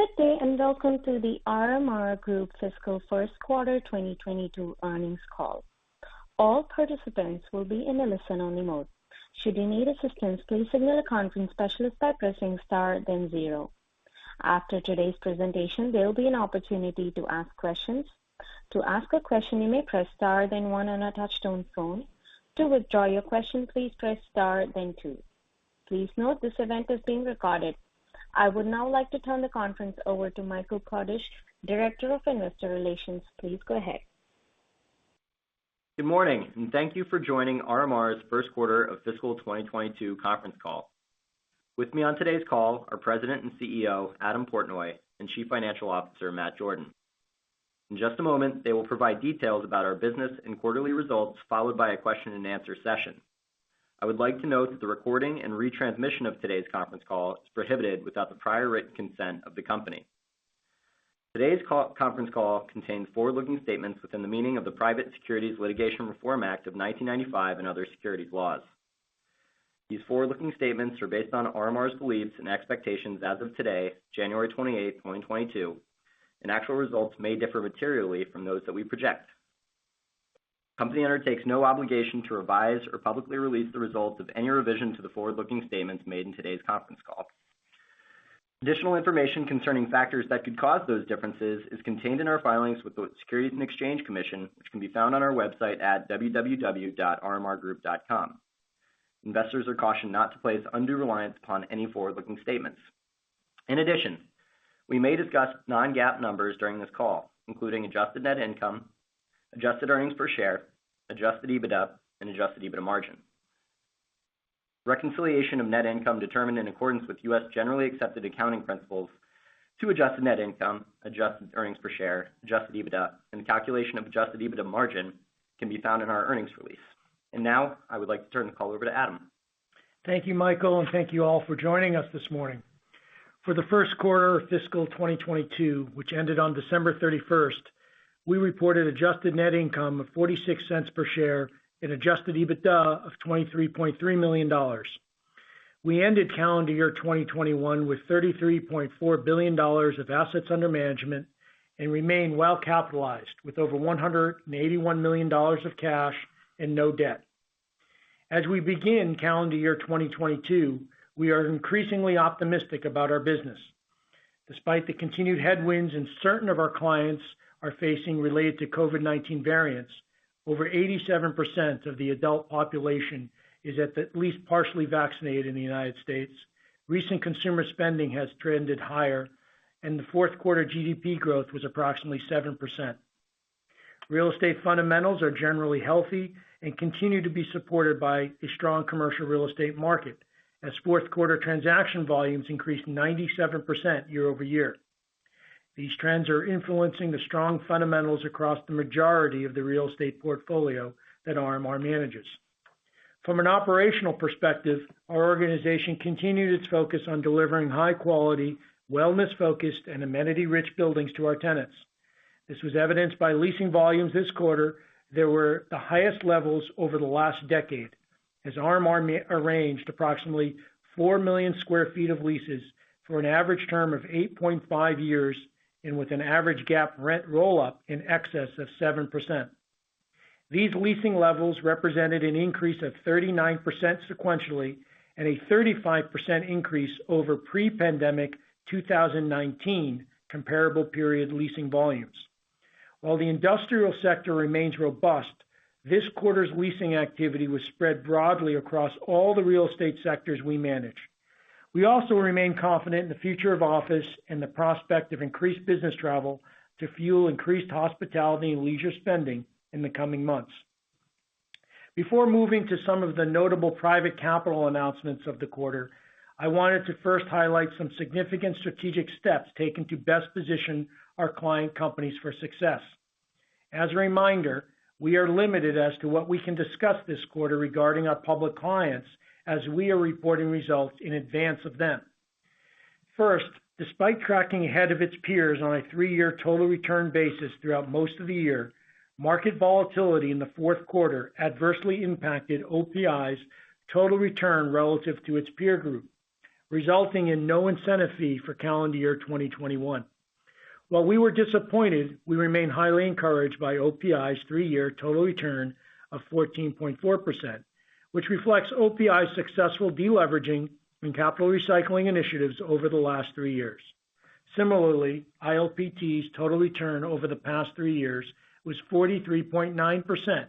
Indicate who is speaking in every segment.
Speaker 1: Good day, and welcome to The RMR Group fiscal first quarter 2022 earnings call. All participants will be in a listen-only mode. Should you need assistance, please signal a conference specialist by pressing star then zero. After today's presentation, there'll be an opportunity to ask questions. To ask a question, you may press star then one on a touch-tone phone. To withdraw your question, please press star then two. Please note this event is being recorded. I would now like to turn the conference over to Michael Kodesch, Director of Investor Relations. Please go ahead.
Speaker 2: Good morning, and thank you for joining RMR's first quarter of fiscal 2022 conference call. With me on today's call are President and CEO, Adam Portnoy, and Chief Financial Officer, Matt Jordan. In just a moment, they will provide details about our business and quarterly results, followed by a question and answer session. I would like to note that the recording and retransmission of today's conference call is prohibited without the prior written consent of the company. Today's conference call contains forward-looking statements within the meaning of the Private Securities Litigation Reform Act of 1995 and other securities laws. These forward-looking statements are based on RMR's beliefs and expectations as of today, January 28, 2022, and actual results may differ materially from those that we project. Company undertakes no obligation to revise or publicly release the results of any revision to the forward-looking statements made in today's conference call. Additional information concerning factors that could cause those differences is contained in our filings with the Securities and Exchange Commission, which can be found on our website at www.rmrgroup.com. Investors are cautioned not to place undue reliance upon any forward-looking statements. In addition, we may discuss non-GAAP numbers during this call, including adjusted net income, adjusted earnings per share, adjusted EBITDA, and adjusted EBITDA margin. Reconciliation of net income determined in accordance with U.S. generally accepted accounting principles to adjusted net income, adjusted earnings per share, adjusted EBITDA, and calculation of adjusted EBITDA margin can be found in our earnings release. Now I would like to turn the call over to Adam.
Speaker 3: Thank you, Michael, and thank you all for joining us this morning. For the first quarter of fiscal 2022, which ended on December 31, we reported adjusted net income of $0.46 per share and adjusted EBITDA of $23.3 million. We ended calendar year 2021 with $33.4 billion of assets under management and remain well capitalized with over $181 million of cash and no debt. As we begin calendar year 2022, we are increasingly optimistic about our business. Despite the continued headwinds and certain of our clients are facing related to COVID-19 variants, over 87% of the adult population is at the least partially vaccinated in the United States. Recent consumer spending has trended higher, and the fourth quarter GDP growth was approximately 7%. Real estate fundamentals are generally healthy and continue to be supported by a strong commercial real estate market, as fourth quarter transaction volumes increased 97% year-over-year. These trends are influencing the strong fundamentals across the majority of the real estate portfolio that RMR manages. From an operational perspective, our organization continued its focus on delivering high quality, wellness-focused, and amenity-rich buildings to our tenants. This was evidenced by leasing volumes this quarter that were the highest levels over the last decade, as RMR arranged approximately four million sq ft of leases for an average term of 8.5 years and with an average GAAP rent roll-up in excess of 7%. These leasing levels represented an increase of 39% sequentially and a 35% increase over pre-pandemic 2019 comparable period leasing volumes. While the industrial sector remains robust, this quarter's leasing activity was spread broadly across all the real estate sectors we manage. We also remain confident in the future of office and the prospect of increased business travel to fuel increased hospitality and leisure spending in the coming months. Before moving to some of the notable private capital announcements of the quarter, I wanted to first highlight some significant strategic steps taken to best position our client companies for success. As a reminder, we are limited as to what we can discuss this quarter regarding our public clients as we are reporting results in advance of them. First, despite tracking ahead of its peers on a three-year total return basis throughout most of the year, market volatility in the fourth quarter adversely impacted OPI's total return relative to its peer group, resulting in no incentive fee for calendar year 2021. While we were disappointed, we remain highly encouraged by OPI's three-year total return of 14.4%, which reflects OPI's successful deleveraging and capital recycling initiatives over the last three years. Similarly, ILPT's total return over the past three years was 43.9%,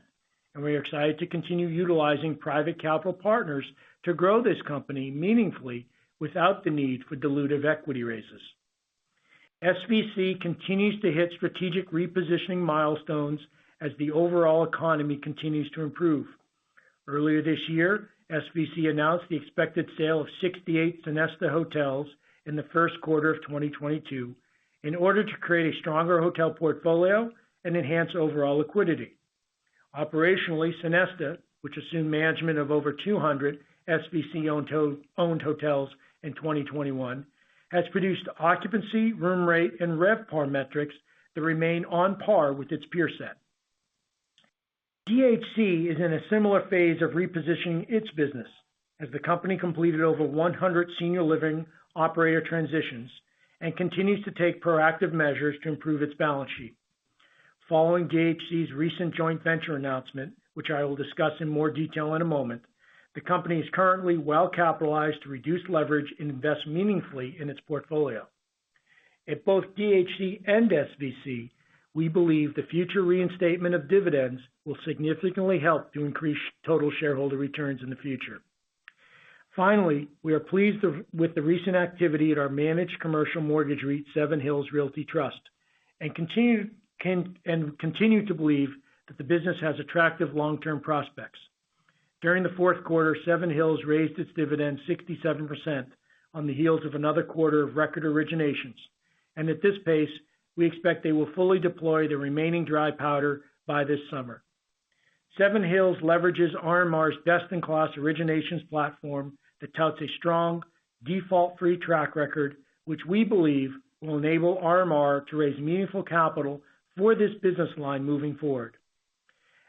Speaker 3: and we are excited to continue utilizing private capital partners to grow this company meaningfully without the need for dilutive equity raises. SVC continues to hit strategic repositioning milestones as the overall economy continues to improve. Earlier this year, SVC announced the expected sale of 68 Sonesta hotels in the first quarter of 2022 in order to create a stronger hotel portfolio and enhance overall liquidity. Operationally, Sonesta, which assumed management of over 200 SVC-owned hotels in 2021, has produced occupancy, room rate, and RevPAR metrics that remain on par with its peer set. DHC is in a similar phase of repositioning its business as the company completed over 100 senior living operator transitions and continues to take proactive measures to improve its balance sheet. Following DHC's recent joint venture announcement, which I will discuss in more detail in a moment, the company is currently well-capitalized to reduce leverage and invest meaningfully in its portfolio. At both DHC and SVC, we believe the future reinstatement of dividends will significantly help to increase total shareholder returns in the future. Finally, we are pleased with the recent activity at our managed commercial mortgage REIT, Seven Hills Realty Trust, and continue to believe that the business has attractive long-term prospects. During the fourth quarter, Seven Hills raised its dividend 67% on the heels of another quarter of record originations. At this pace, we expect they will fully deploy the remaining dry powder by this summer. Seven Hills leverages RMR's best-in-class originations platform that touts a strong default-free track record, which we believe will enable RMR to raise meaningful capital for this business line moving forward.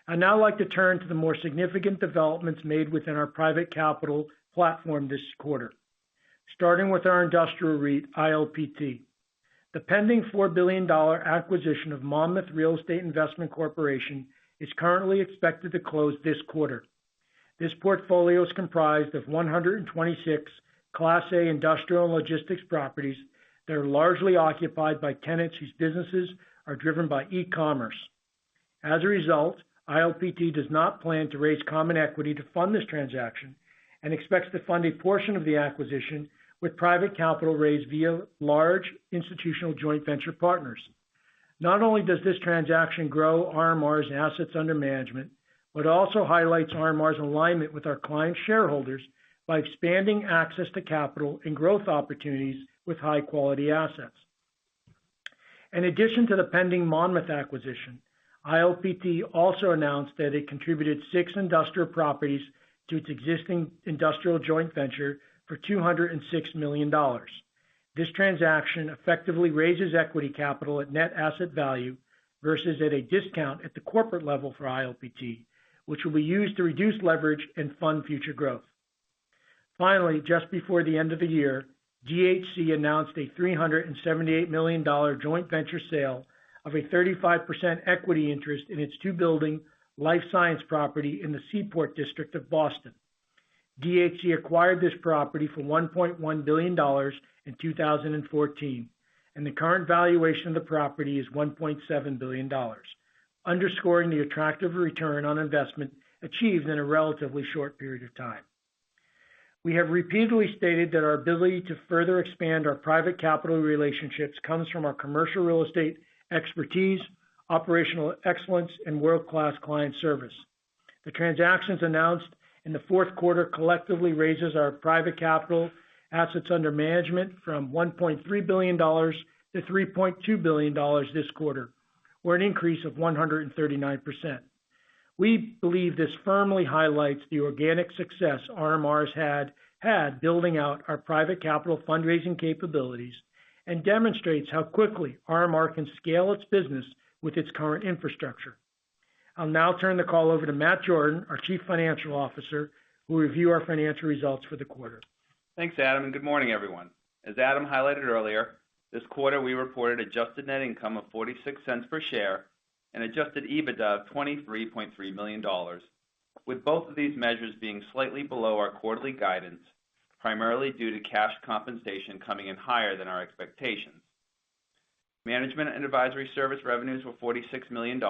Speaker 3: I'd now like to turn to the more significant developments made within our private capital platform this quarter. Starting with our industrial REIT, ILPT. The pending $4 billion acquisition of Monmouth Real Estate Investment Corporation is currently expected to close this quarter. This portfolio is comprised of 126 Class A industrial and logistics properties that are largely occupied by tenants whose businesses are driven by e-commerce. As a result, ILPT does not plan to raise common equity to fund this transaction and expects to fund a portion of the acquisition with private capital raised via large institutional joint venture partners. Not only does this transaction grow RMR's assets under management, but also highlights RMR's alignment with our client shareholders by expanding access to capital and growth opportunities with high-quality assets. In addition to the pending Monmouth acquisition, ILPT also announced that it contributed six industrial properties to its existing industrial joint venture for $206 million. This transaction effectively raises equity capital at net asset value versus at a discount at the corporate level for ILPT, which will be used to reduce leverage and fund future growth. Finally, just before the end of the year, DHC announced a $378 million joint venture sale of a 35% equity interest in its two building life science property in the Seaport district of Boston. DHC acquired this property for $1.1 billion in 2014, and the current valuation of the property is $1.7 billion, underscoring the attractive return on investment achieved in a relatively short period of time. We have repeatedly stated that our ability to further expand our private capital relationships comes from our commercial real estate expertise, operational excellence, and world-class client service. The transactions announced in the fourth quarter collectively raises our private capital assets under management from $1.3 billion to $3.2 billion this quarter, or an increase of 139%. We believe this firmly highlights the organic success RMR's had building out our private capital fundraising capabilities and demonstrates how quickly RMR can scale its business with its current infrastructure. I'll now turn the call over to Matt Jordan, our Chief Financial Officer, who will review our financial results for the quarter.
Speaker 4: Thanks, Adam, and good morning, everyone. As Adam highlighted earlier, this quarter we reported adjusted net income of $0.46 per share and adjusted EBITDA of $23.3 million, with both of these measures being slightly below our quarterly guidance, primarily due to cash compensation coming in higher than our expectations. Management and advisory service revenues were $46 million,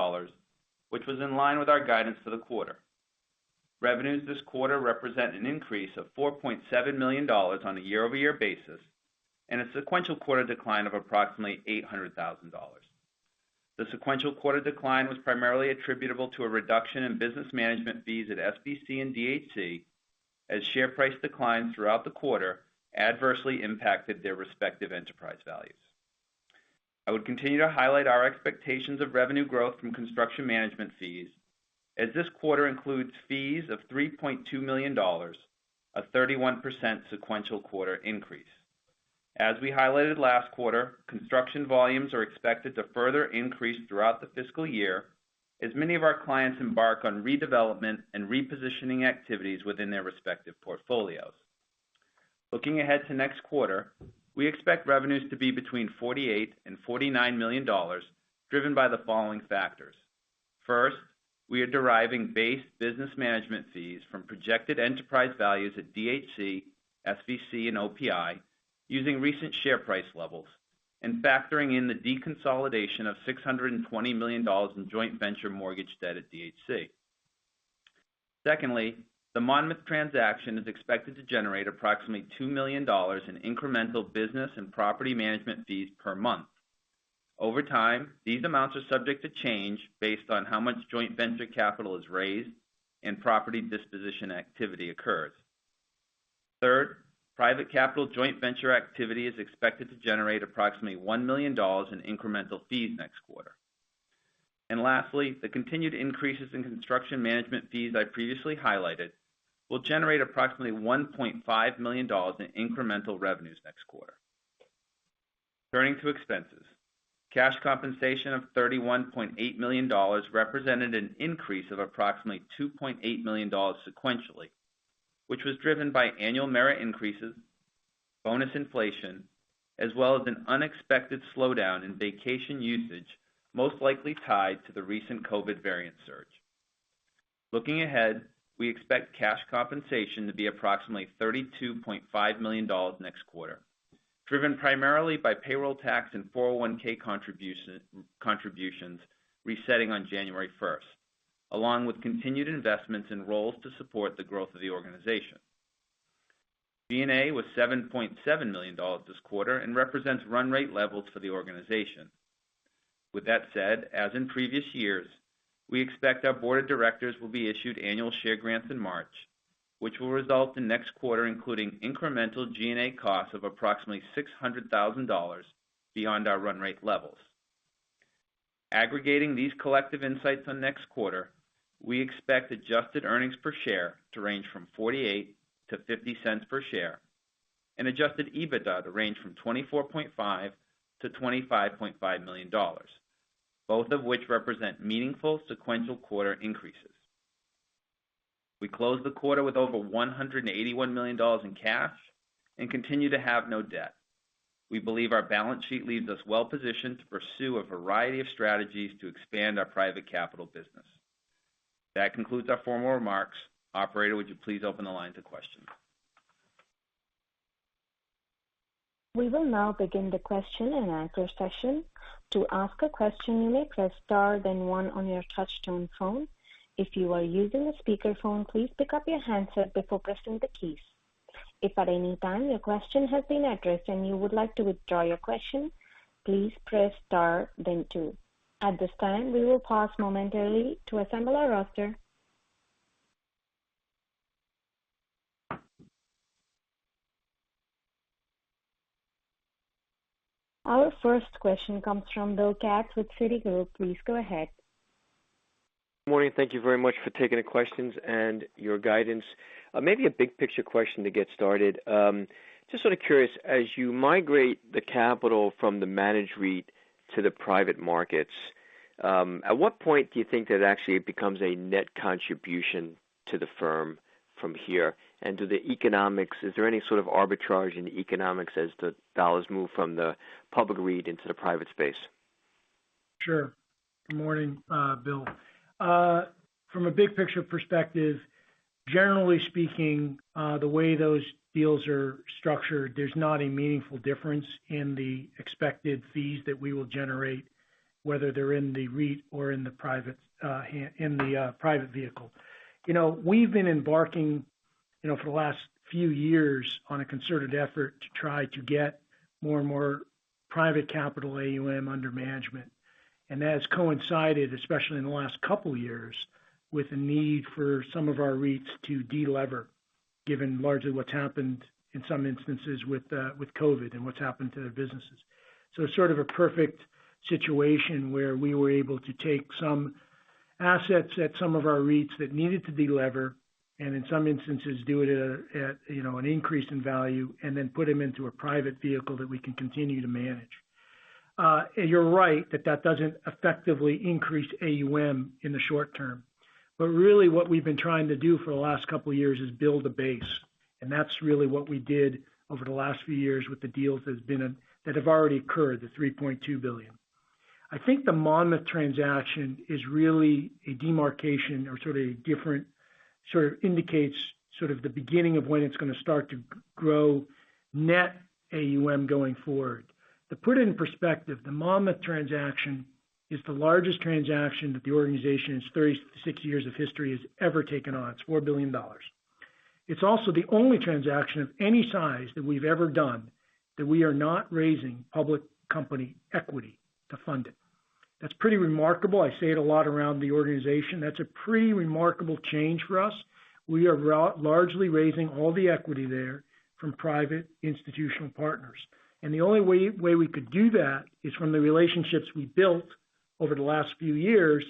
Speaker 4: which was in line with our guidance for the quarter. Revenues this quarter represent an increase of $4.7 million on a year-over-year basis, and a sequential quarter decline of approximately $800,000. The sequential quarter decline was primarily attributable to a reduction in business management fees at SVC and DHC as share price declines throughout the quarter adversely impacted their respective enterprise values. I would continue to highlight our expectations of revenue growth from construction management fees, as this quarter includes fees of $3.2 million, a 31% sequential quarter increase. As we highlighted last quarter, construction volumes are expected to further increase throughout the fiscal year as many of our clients embark on redevelopment and repositioning activities within their respective portfolios. Looking ahead to next quarter, we expect revenues to be between $48 million and $49 million, driven by the following factors. First, we are deriving base business management fees from projected enterprise values at DHC, SVC, and OPI using recent share price levels and factoring in the deconsolidation of $620 million in joint venture mortgage debt at DHC. Secondly, the Monmouth transaction is expected to generate approximately $2 million in incremental business and property management fees per month. Over time, these amounts are subject to change based on how much joint venture capital is raised and property disposition activity occurs. Third, private capital joint venture activity is expected to generate approximately $1 million in incremental fees next quarter. Lastly, the continued increases in construction management fees I previously highlighted will generate approximately $1.5 million in incremental revenues next quarter. Turning to expenses. Cash compensation of $31.8 million represented an increase of approximately $2.8 million sequentially, which was driven by annual merit increases, bonus inflation, as well as an unexpected slowdown in vacation usage, most likely tied to the recent COVID variant surge. Looking ahead, we expect cash compensation to be approximately $32.5 million next quarter, driven primarily by payroll tax and 401(k) contributions resetting on January first, along with continued investments in roles to support the growth of the organization. G&A was $7.7 million this quarter and represents run rate levels for the organization. With that said, as in previous years, we expect our board of directors will be issued annual share grants in March, which will result in next quarter, including incremental G&A costs of approximately $600,000 beyond our run rate levels. Aggregating these collective insights on next quarter, we expect adjusted earnings per share to range from $0.48-$0.50 per share and adjusted EBITDA to range from $24.5 million-$25.5 million, both of which represent meaningful sequential quarter increases. We closed the quarter with over $181 million in cash and continue to have no debt. We believe our balance sheet leaves us well positioned to pursue a variety of strategies to expand our private capital business. That concludes our formal remarks. Operator, would you please open the line to questions?
Speaker 1: We will now begin the question and answer session. To ask a question, you may press star, then one on your touchtone phone. If you are using a speakerphone, please pick up your handset before pressing the keys. If at any time your question has been addressed and you would like to withdraw your question, please press star then two. At this time, we will pause momentarily to assemble our roster. Our first question comes from Bill Katz with Citigroup. Please go ahead.
Speaker 5: Morning. Thank you very much for taking the questions and your guidance. Maybe a big picture question to get started. Just sort of curious, as you migrate the capital from the managed REIT to the private markets, at what point do you think that it actually becomes a net contribution to the firm from here? Is there any sort of arbitrage in the economics as the dollars move from the public REIT into the private space?
Speaker 3: Sure. Good morning, Bill. From a big picture perspective, generally speaking, the way those deals are structured, there's not a meaningful difference in the expected fees that we will generate, whether they're in the REIT or in the private vehicle. You know, we've been embarking, you know, for the last few years on a concerted effort to try to get more and more private capital AUM under management. That's coincided, especially in the last couple years, with a need for some of our REITs to de-lever, given largely what's happened in some instances with COVID and what's happened to their businesses. Sort of a perfect situation where we were able to take some assets at some of our REITs that needed to de-lever and in some instances, do it at a, you know, an increase in value and then put them into a private vehicle that we can continue to manage. You're right that doesn't effectively increase AUM in the short term. Really what we've been trying to do for the last couple of years is build a base, and that's really what we did over the last few years with the deals that have already occurred, the $3.2 billion. I think the Monmouth transaction is really a demarcation or sort of a different sort of indicates sort of the beginning of when it's going to start to grow net AUM going forward. To put it in perspective, the Monmouth transaction is the largest transaction that the organization in its 36 years of history has ever taken on. It's $4 billion. It's also the only transaction of any size that we've ever done that we are not raising public company equity to fund it. That's pretty remarkable. I say it a lot around the organization. That's a pretty remarkable change for us. We are largely raising all the equity there from private institutional partners. The only way we could do that is from the relationships we built over the last few years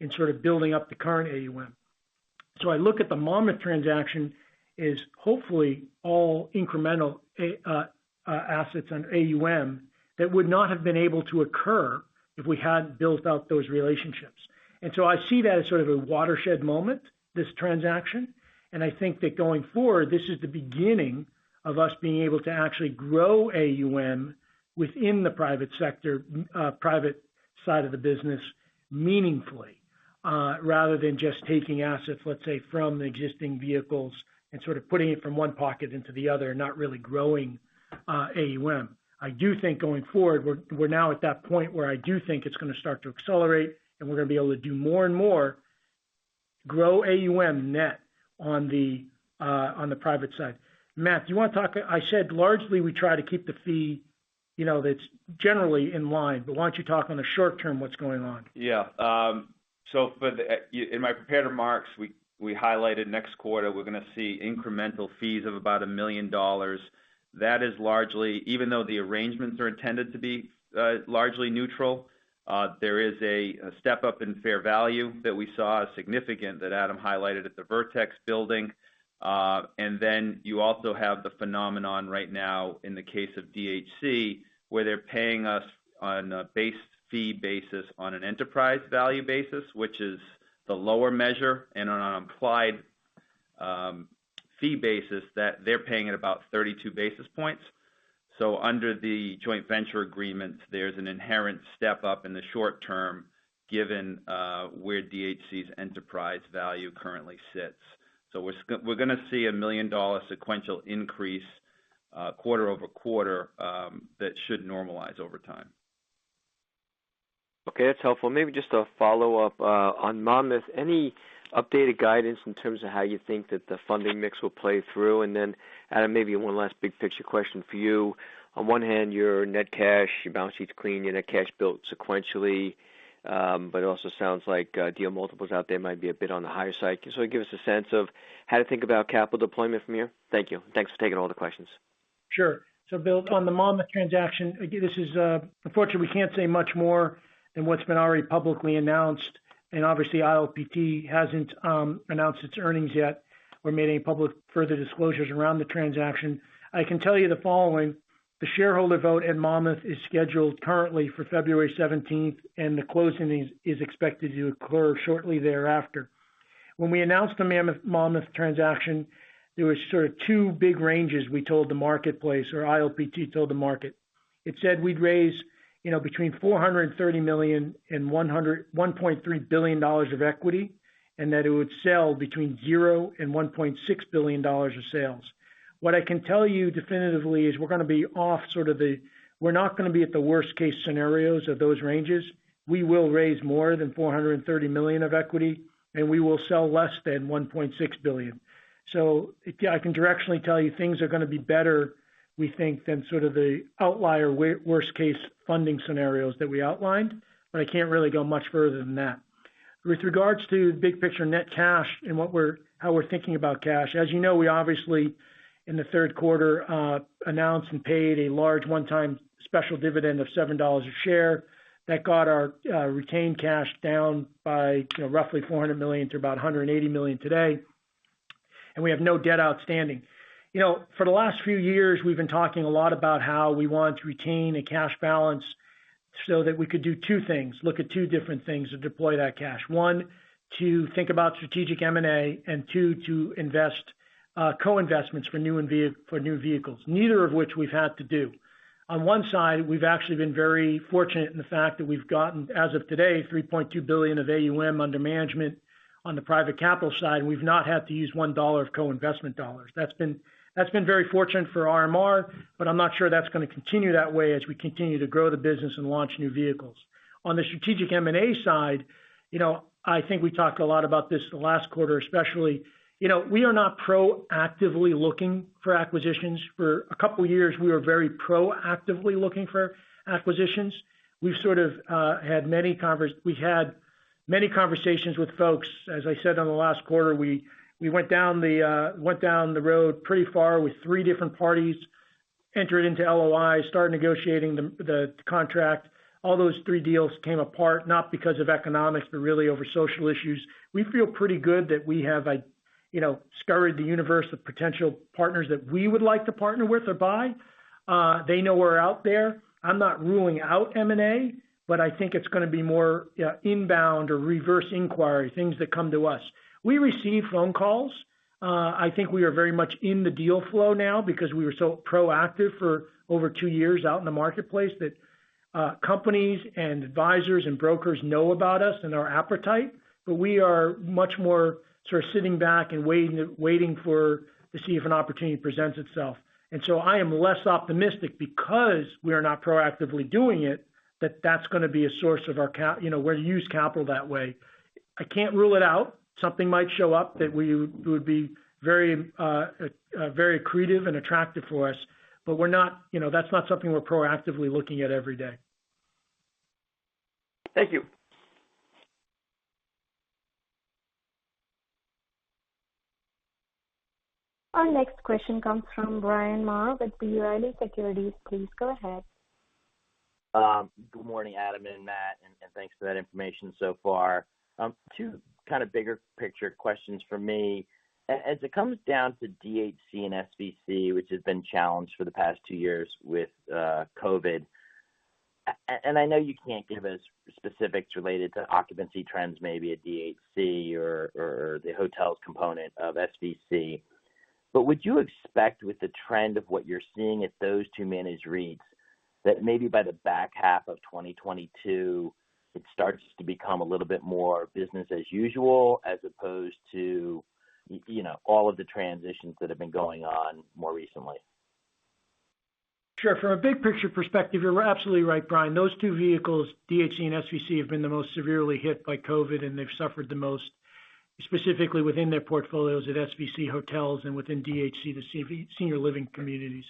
Speaker 3: in sort of building up the current AUM. I look at the Monmouth transaction as hopefully all incremental assets on AUM that would not have been able to occur if we hadn't built out those relationships. I see that as sort of a watershed moment, this transaction, and I think that going forward, this is the beginning of us being able to actually grow AUM within the private sector, private side of the business meaningfully, rather than just taking assets, let's say, from the existing vehicles and sort of putting it from one pocket into the other, not really growing, AUM. I do think going forward, we're now at that point where I do think it's going to start to accelerate and we're going to be able to do more and more grow AUM net on the, on the private side. Matt, do you want to talk? I said largely we try to keep the fee, you know, that's generally in line, but why don't you talk on the short term what's going on?
Speaker 4: Yeah. For the in my prepared remarks, we highlighted next quarter we're going to see incremental fees of about $1 million. That is largely even though the arrangements are intended to be largely neutral, there is a step up in fair value that we saw significant that Adam highlighted at the Vertex building. You also have the phenomenon right now in the case of DHC, where they're paying us on a base fee basis, on an enterprise value basis, which is the lower measure and on an implied fee basis that they're paying at about 32 basis points. Under the joint venture agreement, there's an inherent step-up in the short term given where DHC's enterprise value currently sits. We're gonna see a $1 million sequential increase quarter-over-quarter that should normalize over time.
Speaker 5: Okay, that's helpful. Maybe just a follow-up on Monmouth. Any updated guidance in terms of how you think that the funding mix will play through? And then, Adam, maybe one last big picture question for you. On one hand, your net cash, your balance sheet's clean, your net cash built sequentially, but it also sounds like deal multiples out there might be a bit on the higher side. So give us a sense of how to think about capital deployment from here. Thank you. Thanks for taking all the questions.
Speaker 3: Sure. Bill, on the Monmouth transaction, again, this is unfortunately, we can't say much more than what's been already publicly announced, and obviously ILPT hasn't announced its earnings yet or made any public further disclosures around the transaction. I can tell you the following: the shareholder vote in Monmouth is scheduled currently for February 17th, and the closing is expected to occur shortly thereafter. When we announced the Monmouth transaction, there was sort of two big ranges we told the marketplace or ILPT told the market. It said we'd raise between $430 million and $1.3 billion of equity, and that it would sell between $0 and $1.6 billion of sales. What I can tell you definitively is we're gonna be off sort of the. We're not gonna be at the worst case scenarios of those ranges. We will raise more than $430 million of equity, and we will sell less than $1.6 billion. If I can directionally tell you things are gonna be better, we think, than sort of the outlier worst case funding scenarios that we outlined, but I can't really go much further than that. With regards to big picture net cash and how we're thinking about cash, as you know, we obviously, in the third quarter, announced and paid a large one-time special dividend of $7 a share. That got our retained cash down by, you know, roughly $400 million to about $180 million today. We have no debt outstanding. You know, for the last few years, we've been talking a lot about how we want to retain a cash balance so that we could do two things, look at two different things to deploy that cash. One, to think about strategic M&A, and two, to invest, co-investments for new vehicles, neither of which we've had to do. On one side, we've actually been very fortunate in the fact that we've gotten, as of today, $3.2 billion of AUM under management. On the private capital side, we've not had to use $1 of co-investment dollars. That's been very fortunate for RMR, but I'm not sure that's gonna continue that way as we continue to grow the business and launch new vehicles. On the strategic M&A side, you know, I think we talked a lot about this the last quarter, especially. You know, we are not proactively looking for acquisitions. For a couple years, we were very proactively looking for acquisitions. We've sort of had many conversations with folks. As I said on the last quarter, we went down the road pretty far with three different parties, entered into LOI, started negotiating the contract. All those three deals came apart, not because of economics, but really over social issues. We feel pretty good that we have, like, you know, scoured the universe of potential partners that we would like to partner with or buy. They know we're out there. I'm not ruling out M&A, but I think it's gonna be more inbound or reverse inquiry, things that come to us. We receive phone calls. I think we are very much in the deal flow now because we were so proactive for over two years out in the marketplace that companies and advisors and brokers know about us and our appetite. We are much more sort of sitting back and waiting to see if an opportunity presents itself. I am less optimistic because we are not proactively doing it, that that's gonna be a source of our you know, where to use capital that way. I can't rule it out. Something might show up that we would be very very creative and attractive for us. We're not you know, that's not something we're proactively looking at every day.
Speaker 5: Thank you.
Speaker 1: Our next question comes from Bryan Maher with B. Riley Securities. Please go ahead.
Speaker 6: Good morning, Adam and Matt, and thanks for that information so far. Two kind of bigger picture questions from me. As it comes down to DHC and SVC, which has been challenged for the past two years with COVID. I know you can't give us specifics related to occupancy trends, maybe at DHC or the hotels component of SVC. Would you expect with the trend of what you're seeing at those two managed REITs, that maybe by the back half of 2022, it starts to become a little bit more business as usual, as opposed to, you know, all of the transitions that have been going on more recently?
Speaker 3: Sure. From a big picture perspective, you're absolutely right, Bryan. Those two vehicles, DHC and SVC, have been the most severely hit by COVID, and they've suffered the most, specifically within their portfolios at SVC hotels and within DHC, senior living communities.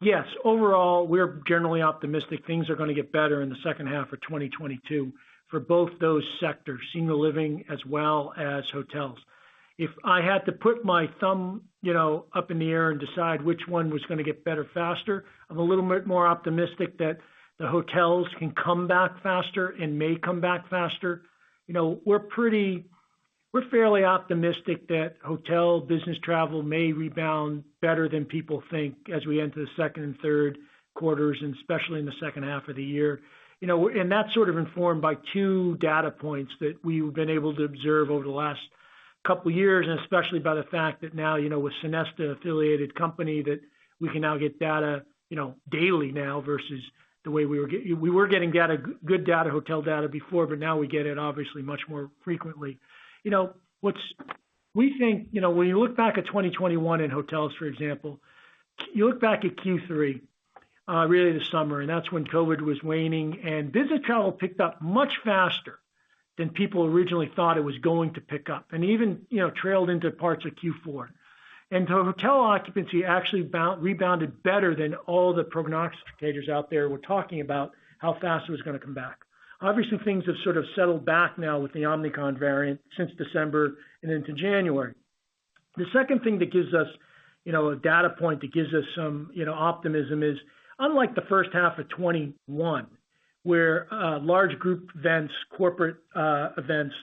Speaker 3: Yes, overall, we're generally optimistic things are gonna get better in the second half of 2022 for both those sectors, senior living as well as hotels. If I had to put my thumb, you know, up in the air and decide which one was gonna get better faster, I'm a little bit more optimistic that the hotels can come back faster and may come back faster. You know, we're fairly optimistic that hotel business travel may rebound better than people think as we enter the second and third quarters, and especially in the second half of the year. You know, that's sort of informed by two data points that we've been able to observe over the last couple years, and especially by the fact that now, you know, with Sonesta affiliated company that we can now get data, you know, daily now versus the way we were getting data, good data, hotel data before, but now we get it obviously much more frequently. You know, we think, you know, when you look back at 2021 in hotels, for example, you look back at Q3, really the summer, and that's when COVID was waning, and business travel picked up much faster than people originally thought it was going to pick up, and even, you know, trailed into parts of Q4. Hotel occupancy actually rebounded better than all the prognosticators out there were talking about how fast it was gonna come back. Obviously, things have sort of settled back now with the Omicron variant since December and into January. The second thing that gives us, you know, a data point that gives us some, you know, optimism is, unlike the first half of 2021, where large group events, corporate events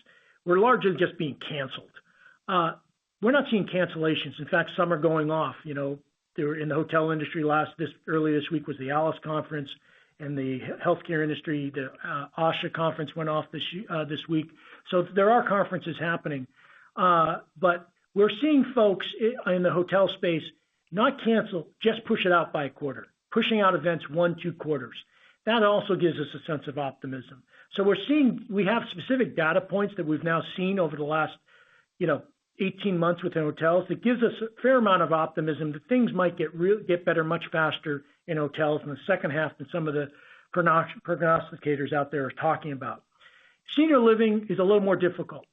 Speaker 3: were largely just being canceled, we're not seeing cancellations. In fact, some are going off, you know. There were in the hotel industry early this week with the ALIS conference. In the healthcare industry, the ASHA conference went off this week. There are conferences happening. We're seeing folks in the hotel space not cancel, just push it out by a quarter, pushing out events one, two quarters. That also gives us a sense of optimism. We're seeing. We have specific data points that we've now seen over the last, you know, 18 months within hotels that gives us a fair amount of optimism that things might get better much faster in hotels in the second half than some of the prognosticators out there are talking about. Senior living is a little more difficult.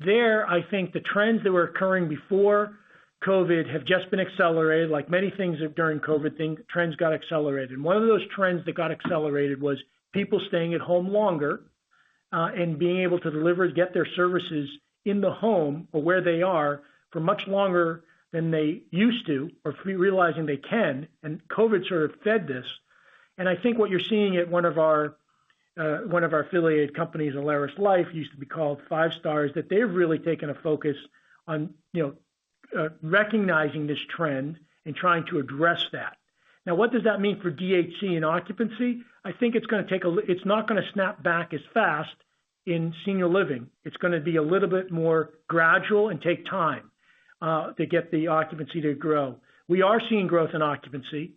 Speaker 3: There, I think the trends that were occurring before COVID have just been accelerated. Like many things, during COVID, trends got accelerated. One of those trends that got accelerated was people staying at home longer, and being able to deliver, get their services in the home or where they are for much longer than they used to or realizing they can, and COVID sort of fed this. I think what you're seeing at one of our affiliated companies, AlerisLife, used to be called Five Star, that they've really taken a focus on, you know, recognizing this trend and trying to address that. Now, what does that mean for DHC and occupancy? I think it's not gonna snap back as fast in senior living. It's gonna be a little bit more gradual and take time to get the occupancy to grow. We are seeing growth in occupancy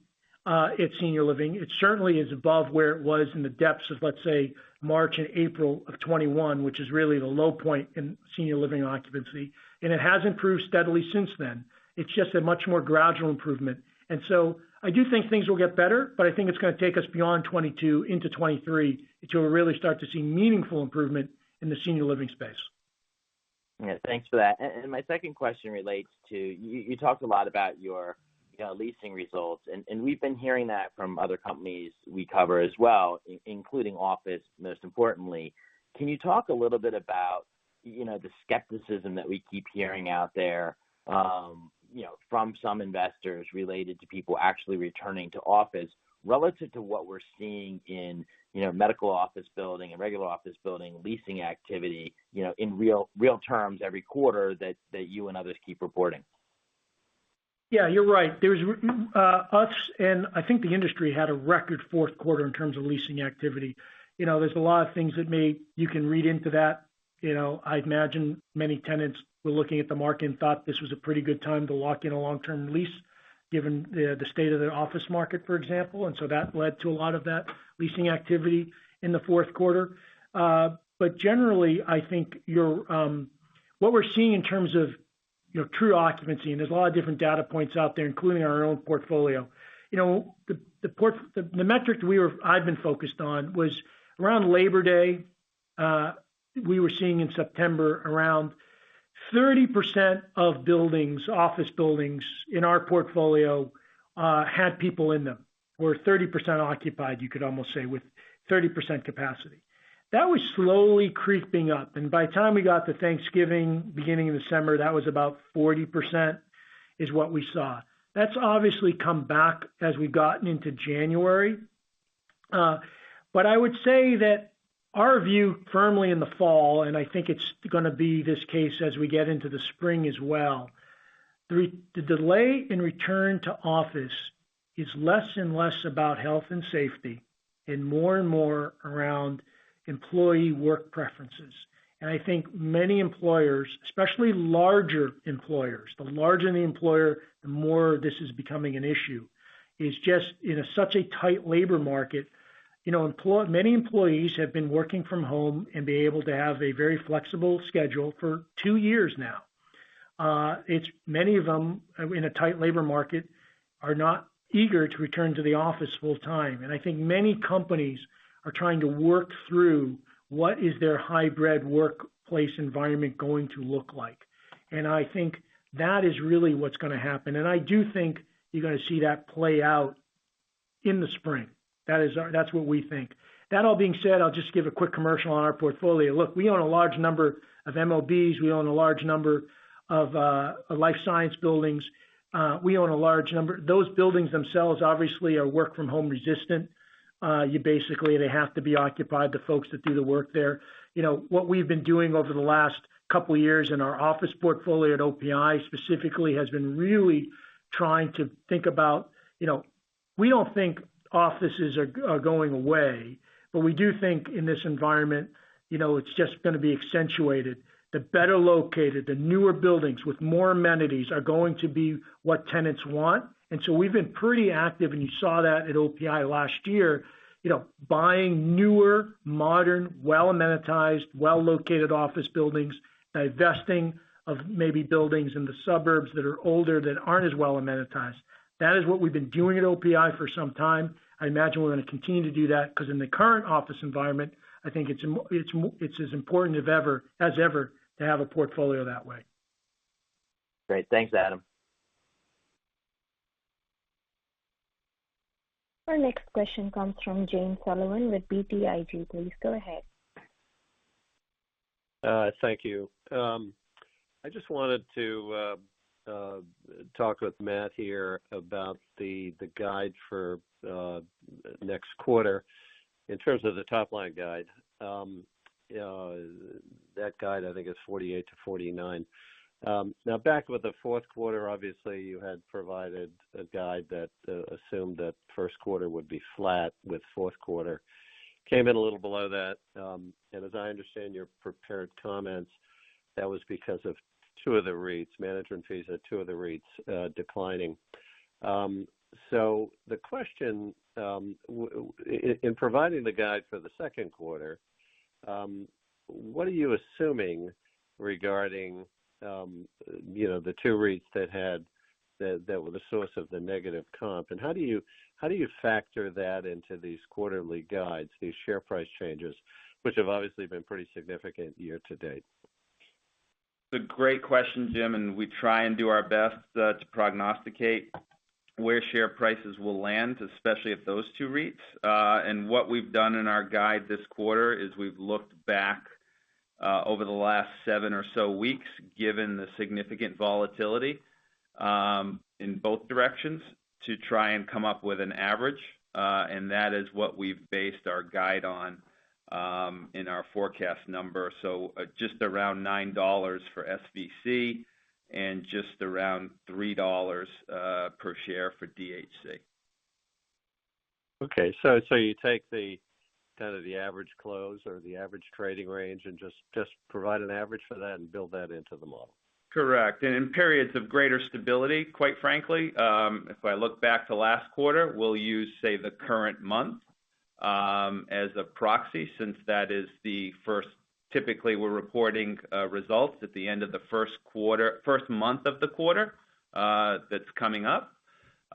Speaker 3: at senior living. It certainly is above where it was in the depths of, let's say, March and April of 2021, which is really the low point in senior living occupancy, and it has improved steadily since then. It's just a much more gradual improvement. I do think things will get better, but I think it's gonna take us beyond 2022 into 2023 until we really start to see meaningful improvement in the senior living space.
Speaker 6: Yeah. Thanks for that. My second question relates to, you talked a lot about your, you know, leasing results, and we've been hearing that from other companies we cover as well, including office, most importantly. Can you talk a little bit about, you know, the skepticism that we keep hearing out there, you know, from some investors related to people actually returning to office relative to what we're seeing in, you know, medical office building and regular office building leasing activity, you know, in real terms every quarter that you and others keep reporting?
Speaker 3: Yeah, you're right. There's us and I think the industry had a record fourth quarter in terms of leasing activity. You know, there's a lot of things that you can read into that. You know, I'd imagine many tenants were looking at the market and thought this was a pretty good time to lock in a long-term lease given the state of their office market, for example. That led to a lot of that leasing activity in the fourth quarter. Generally, I think what we're seeing in terms of, you know, true occupancy, and there's a lot of different data points out there, including our own portfolio. You know, the metric I've been focused on was around Labor Day. We were seeing in September around 30% of buildings, office buildings in our portfolio, had people in them, were 30% occupied, you could almost say, with 30% capacity. That was slowly creeping up, and by the time we got to Thanksgiving, beginning of December, that was about 40%, is what we saw. That's obviously come back as we've gotten into January. I would say that our view firmly in the fall, and I think it's gonna be this case as we get into the spring as well, the delay in return to office is less and less about health and safety and more and more around employee work preferences. I think many employers, especially larger employers, the larger the employer, the more this is becoming an issue, is just in such a tight labor market, you know, many employees have been working from home and been able to have a very flexible schedule for two years now. Many of them, in a tight labor market, are not eager to return to the office full time. I think many companies are trying to work through what is their hybrid workplace environment going to look like. I think that is really what's gonna happen. I do think you're gonna see that play out in the spring. That's what we think. That all being said, I'll just give a quick commercial on our portfolio. Look, we own a large number of MOBs, a large number of life science buildings. Those buildings themselves obviously are work from home resistant. You basically, they have to be occupied, the folks that do the work there. You know, what we've been doing over the last couple years in our office portfolio at OPI specifically has been really trying to think about, you know. We don't think offices are going away, but we do think in this environment, you know, it's just gonna be accentuated. The better located, the newer buildings with more amenities are going to be what tenants want. We've been pretty active, and you saw that at OPI last year, you know, buying newer, modern, well-amenitized, well-located office buildings, divesting of maybe buildings in the suburbs that are older, that aren't as well amenitized. That is what we've been doing at OPI for some time. I imagine we're gonna continue to do that because in the current office environment, I think it's as important as ever to have a portfolio that way.
Speaker 6: Great. Thanks, Adam.
Speaker 1: Our next question comes from Jim Sullivan with BTIG. Please go ahead.
Speaker 7: Thank you. I just wanted to talk with Matt here about the guide for next quarter in terms of the top line guide. That guide, I think is $48 million-$49 million. Now back with the fourth quarter, obviously, you had provided a guide that assumed that first quarter would be flat with fourth quarter. Came in a little below that. As I understand your prepared comments, that was because of two of the REITs, management fees at two of the REITs, declining. The question, in providing the guide for the second quarter, what are you assuming regarding, you know, the two REITs that were the source of the negative comp? How do you factor that into these quarterly guides, these share price changes, which have obviously been pretty significant year-to-date?
Speaker 4: It's a great question, Jim, and we try and do our best to prognosticate where share prices will land, especially at those two REITs. What we've done in our guide this quarter is we've looked back over the last seven or so weeks, given the significant volatility in both directions to try and come up with an average. That is what we've based our guide on in our forecast number. Just around $9 for SVC and just around $3 per share for DHC.
Speaker 7: Okay. You take the, kind of the average close or the average trading range and just provide an average for that and build that into the model.
Speaker 4: Correct. In periods of greater stability, quite frankly, if I look back to last quarter, we'll use, say, the current month, as a proxy. Typically, we're reporting results at the end of the first month of the quarter, that's coming up.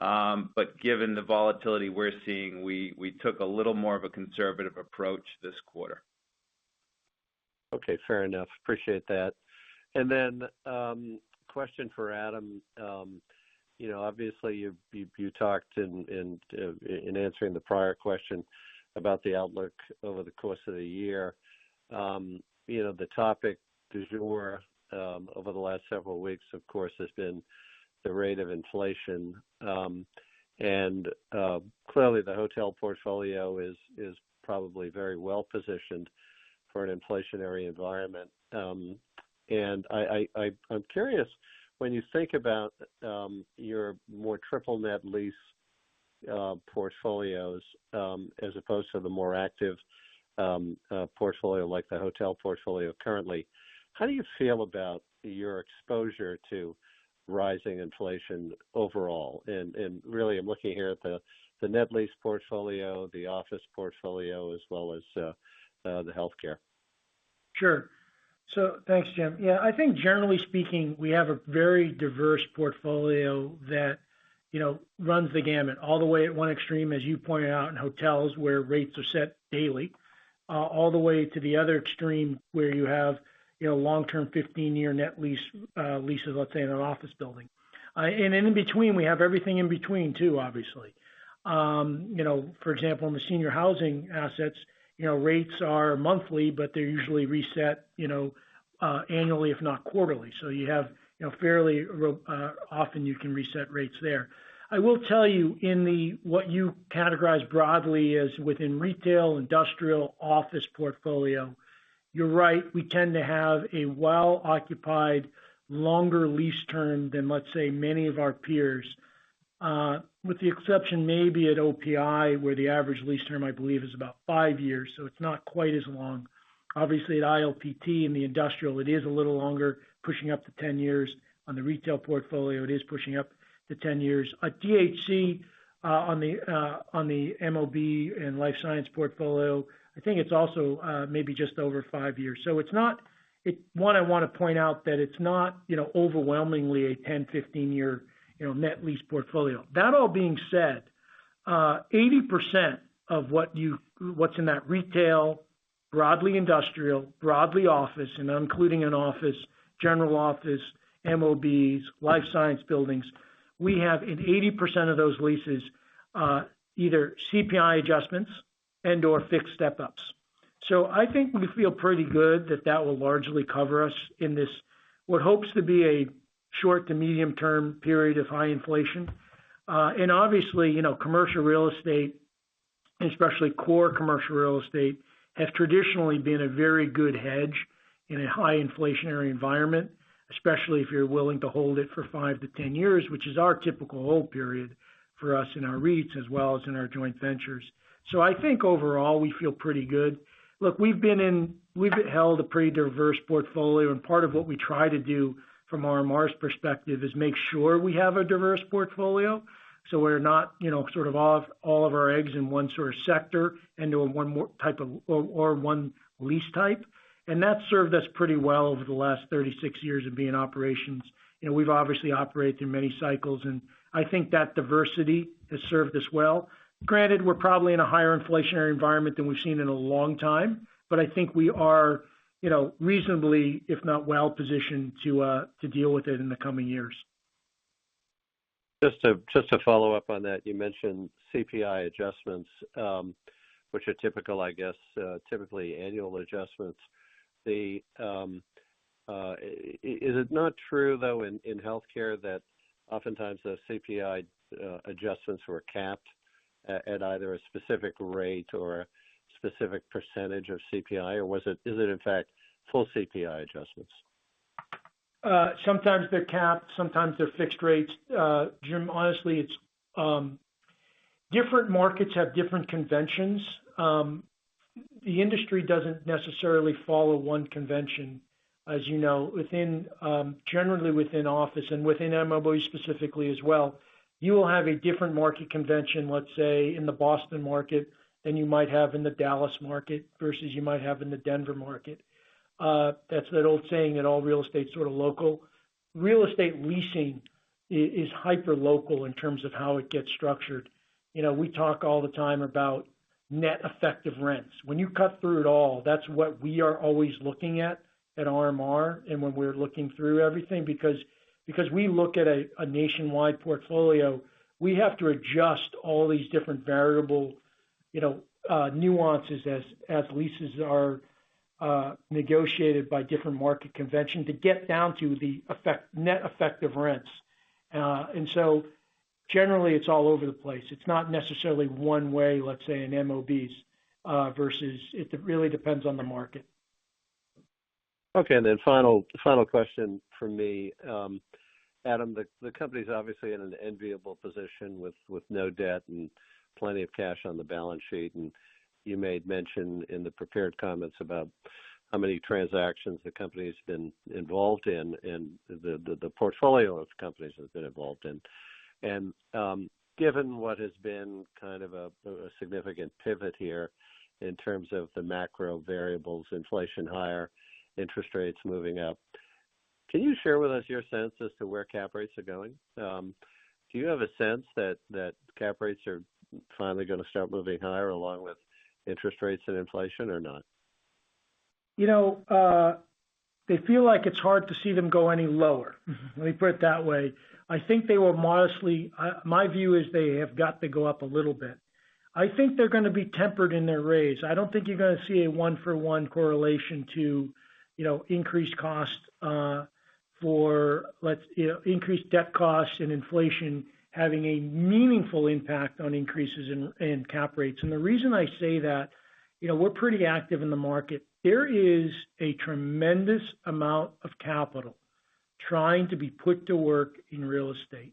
Speaker 4: But given the volatility we're seeing, we took a little more of a conservative approach this quarter.
Speaker 7: Okay, fair enough. Appreciate that. Then question for Adam. You know, obviously, you talked in answering the prior question about the outlook over the course of the year. You know, the topic du jour over the last several weeks, of course, has been the rate of inflation. Clearly the hotel portfolio is probably very well-positioned for an inflationary environment. I'm curious, when you think about your more triple net lease portfolios as opposed to the more active portfolio like the hotel portfolio currently, how do you feel about your exposure to rising inflation overall? Really I'm looking here at the net lease portfolio, the office portfolio, as well as the healthcare.
Speaker 3: Sure. Thanks, Jim. Yeah, I think generally speaking, we have a very diverse portfolio that, you know, runs the gamut all the way at one extreme, as you pointed out, in hotels, where rates are set daily, all the way to the other extreme, where you have, you know, long-term 15-year net lease, leases, let's say, in an office building. And in between, we have everything in between, too, obviously. You know, for example, in the senior housing assets, you know, rates are monthly, but they're usually reset, you know, annually, if not quarterly. You have, you know, fairly, often you can reset rates there. I will tell you in the what you categorize broadly as within retail, industrial, office portfolio, you're right, we tend to have a well-occupied longer lease term than, let's say, many of our peers, with the exception maybe at OPI, where the average lease term, I believe, is about five years, so it's not quite as long. Obviously, at ILPT in the industrial, it is a little longer, pushing up to 10 years. On the retail portfolio, it is pushing up to 10 years. At DHC, on the MOB and life science portfolio, I think it's also maybe just over five years. So it's not. One, I wanna point out that it's not, you know, overwhelmingly a 10, 15-year, you know, net lease portfolio. That all being said, 80% of what's in that retail, broadly industrial, broadly office, and I'm including in office, general office, MOBs, life science buildings, we have in 80% of those leases, either CPI adjustments and/or fixed step-ups. I think we feel pretty good that that will largely cover us in this, what hopes to be a short to medium-term period of high inflation. Obviously, you know, commercial real estate and especially core commercial real estate have traditionally been a very good hedge in a high inflationary environment, especially if you're willing to hold it for 5-10 years, which is our typical hold period for us in our REITs as well as in our joint ventures. I think overall, we feel pretty good. Look, we've held a pretty diverse portfolio, and part of what we try to do from RMR's perspective is make sure we have a diverse portfolio, so we're not, you know, sort of putting all of our eggs in one sort of sector or one lease type. That's served us pretty well over the last 36 years of being in operations. You know, we've obviously operated through many cycles, and I think that diversity has served us well. Granted, we're probably in a higher inflationary environment than we've seen in a long time, but I think we are, you know, reasonably, if not well positioned to deal with it in the coming years.
Speaker 7: Just to follow up on that, you mentioned CPI adjustments, which are typical, I guess, typically annual adjustments. Is it not true, though, in healthcare that oftentimes those CPI adjustments were capped at either a specific rate or a specific percentage of CPI? Is it in fact full CPI adjustments?
Speaker 3: Sometimes they're capped, sometimes they're fixed rates. Jim, honestly, it's. Different markets have different conventions. The industry doesn't necessarily follow one convention, as you know. Within, generally within office and within MOB specifically as well, you will have a different market convention, let's say, in the Boston market than you might have in the Dallas market versus you might have in the Denver market. That's that old saying that all real estate is sort of local. Real estate leasing is hyper-local in terms of how it gets structured. You know, we talk all the time about net effective rents. When you cut through it all, that's what we are always looking at at RMR and when we're looking through everything. Because we look at a nationwide portfolio, we have to adjust all these different variables, you know, nuances as leases are negotiated by different market conventions to get down to the net effective rents. Generally, it's all over the place. It's not necessarily one way, let's say in MOBs. It really depends on the market.
Speaker 7: Okay. Final question from me. Adam, the company is obviously in an enviable position with no debt and plenty of cash on the balance sheet. You made mention in the prepared comments about how many transactions the company's been involved in and the portfolio of companies has been involved in. Given what has been kind of a significant pivot here in terms of the macro variables, inflation, higher interest rates moving up, can you share with us your sense as to where cap rates are going? Do you have a sense that cap rates are finally gonna start moving higher along with interest rates and inflation or not?
Speaker 3: You know, they feel like it's hard to see them go any lower. Let me put it that way. My view is they have got to go up a little bit. I think they're gonna be tempered in their raise. I don't think you're gonna see a one-for-one correlation to, you know, increased debt costs and inflation having a meaningful impact on increases in cap rates. The reason I say that, you know, we're pretty active in the market. There is a tremendous amount of capital trying to be put to work in real estate.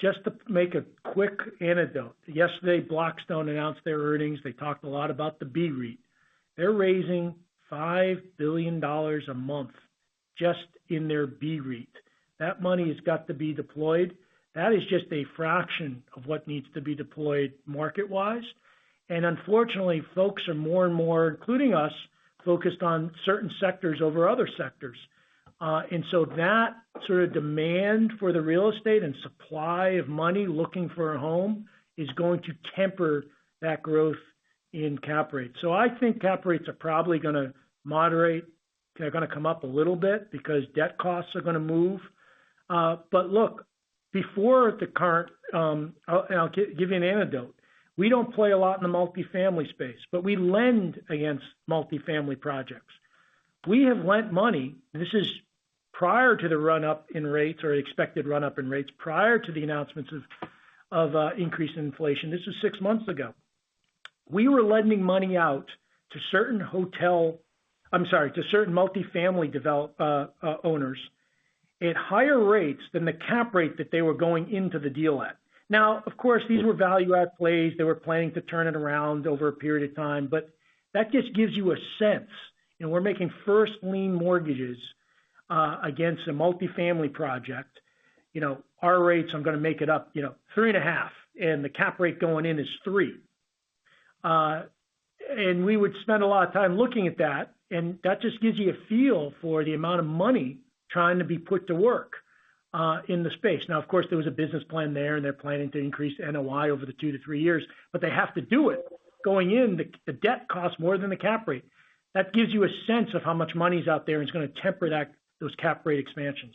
Speaker 3: Just to make a quick anecdote. Yesterday, Blackstone announced their earnings. They talked a lot about the BREIT. They're raising $5 billion a month just in their BREIT. That money has got to be deployed. That is just a fraction of what needs to be deployed market-wise. Unfortunately, folks are more and more, including us, focused on certain sectors over other sectors. That sort of demand for the real estate and supply of money looking for a home is going to temper that growth in cap rates. I think cap rates are probably gonna moderate. They're gonna come up a little bit because debt costs are gonna move. But look, before the current, I'll give you an anecdote. We don't play a lot in the multifamily space, but we lend against multifamily projects. We have lent money, and this is prior to the run-up in rates or expected run-up in rates, prior to the announcements of increase in inflation. This is six months ago. We were lending money out to certain hotel... I'm sorry, to certain multifamily owners at higher rates than the cap rate that they were going into the deal at. Now, of course, these were value add plays. They were planning to turn it around over a period of time, but that just gives you a sense. You know, we're making first lien mortgages against a multifamily project. You know, our rates, I'm gonna make it up, you know, 3.5, and the cap rate going in is 3. And we would spend a lot of time looking at that, and that just gives you a feel for the amount of money trying to be put to work in the space. Now, of course, there was a business plan there, and they're planning to increase NOI over the two, three years, but they have to do it. Going in, the debt costs more than the cap rate. That gives you a sense of how much money is out there, and it's gonna temper those cap rate expansions.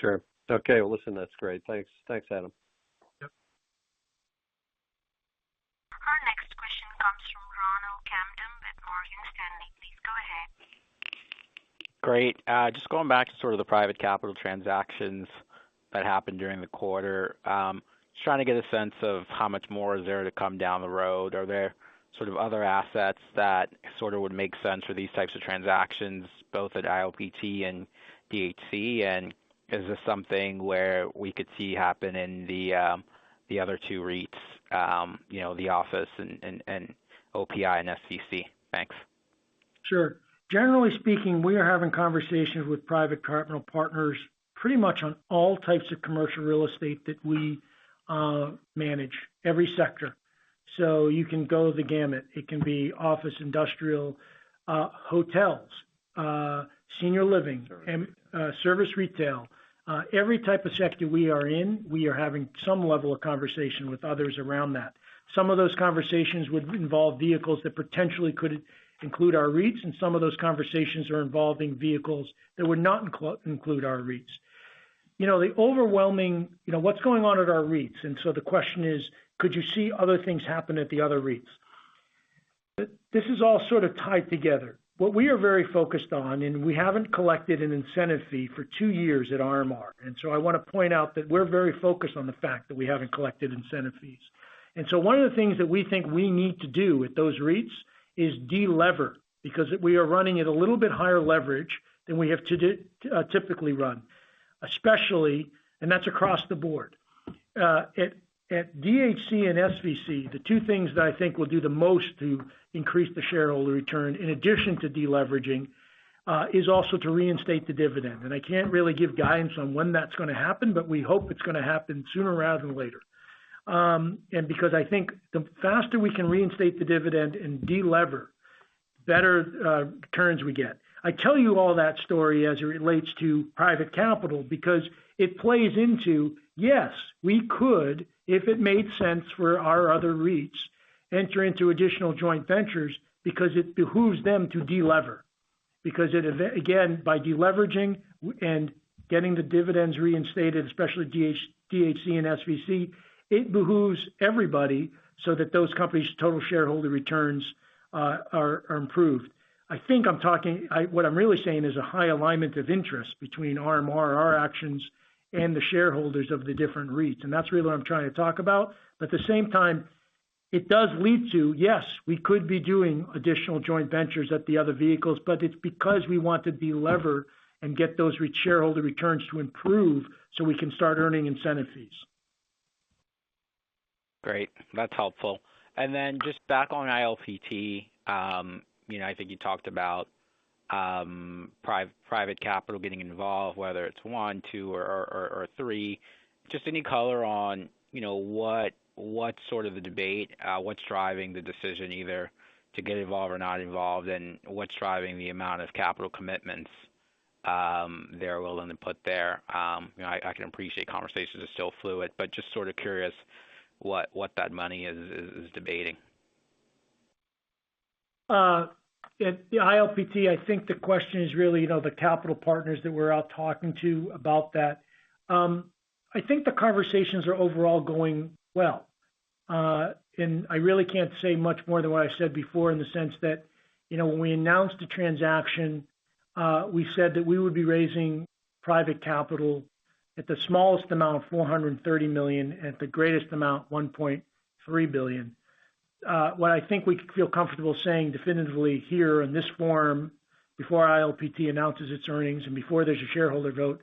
Speaker 7: Sure. Okay, well, listen, that's great. Thanks. Thanks, Adam.
Speaker 3: Yep.
Speaker 1: Question comes from Ronald Kamdem at Morgan Stanley. Please go ahead.
Speaker 8: Great. Just going back to sort of the private capital transactions that happened during the quarter. Just trying to get a sense of how much more is there to come down the road. Are there sort of other assets that sort of would make sense for these types of transactions, both at ILPT and DHC? Is this something where we could see happen in the other two REITs, you know, the office and OPI and SVC? Thanks.
Speaker 3: Sure. Generally speaking, we are having conversations with private capital partners pretty much on all types of commercial real estate that we manage every sector. You can go the gamut. It can be office, industrial, hotels, senior living. Service retail. Every type of sector we are in, we are having some level of conversation with others around that. Some of those conversations would involve vehicles that potentially could include our REITs, and some of those conversations are involving vehicles that would not include our REITs. You know, the overwhelming you know, what's going on at our REITs, and so the question is, could you see other things happen at the other REITs? This is all sort of tied together. What we are very focused on, and we haven't collected an incentive fee for two years at RMR, and so I want to point out that we're very focused on the fact that we haven't collected incentive fees. One of the things that we think we need to do with those REITs is de-lever, because we are running at a little bit higher leverage than we typically run, especially. That's across the board. At DHC and SVC, the two things that I think will do the most to increase the shareholder return, in addition to de-leveraging, is also to reinstate the dividend. I can't really give guidance on when that's gonna happen, but we hope it's gonna happen sooner rather than later. Because I think the faster we can reinstate the dividend and de-lever, better returns we get. I tell you all that story as it relates to private capital because it plays into, yes, we could, if it made sense for our other REITs, enter into additional joint ventures because it behooves them to de-lever. Because it again, by de-leveraging and getting the dividends reinstated, especially DHC and SVC, it behooves everybody so that those companies' total shareholder returns are improved. I think I'm talking what I'm really saying is a high alignment of interest between RMR, our actions, and the shareholders of the different REITs, and that's really what I'm trying to talk about. At the same time, it does lead to, yes, we could be doing additional joint ventures at the other vehicles, but it's because we want to de-lever and get those shareholder returns to improve so we can start earning incentive fees.
Speaker 8: Great. That's helpful. Just back on ILPT. You know, I think you talked about private capital getting involved, whether it's one, two, or three. Just any color on, you know, what's sort of the debate, what's driving the decision either to get involved or not involved, and what's driving the amount of capital commitments they're willing to put there. You know, I can appreciate conversations are still fluid, but just sort of curious what that money is debating.
Speaker 3: At the ILPT, I think the question is really, you know, the capital partners that we're out talking to about that. I think the conversations are overall going well. I really can't say much more than what I said before in the sense that, you know, when we announced the transaction, we said that we would be raising private capital at the smallest amount, $430 million, at the greatest amount, $1.3 billion. What I think we can feel comfortable saying definitively here in this forum before ILPT announces its earnings and before there's a shareholder vote